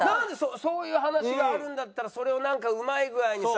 そういう話があるんだったらそれをなんかうまい具合にさ